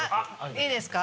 いいですか？